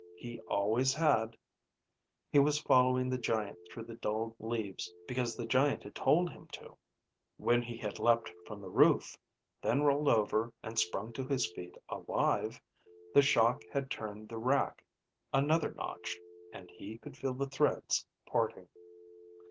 He always had. (He was following the giant through the dull leaves because the giant had told him to.) When he had leapt from the roof, then rolled over and sprung to his feet alive, the shock had turned the rack another notch and he could feel the threads parting.